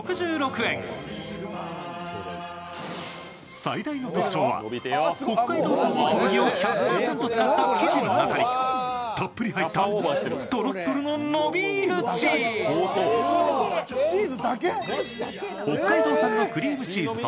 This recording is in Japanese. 最大の特徴は北海道産の小麦を１００％使った生地の中にたっぷり入ったとろっとろののびーるチーズ。